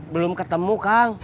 belum ketemu kal